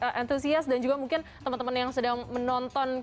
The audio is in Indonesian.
sangat antusias dan juga mungkin teman teman yang sedang menonton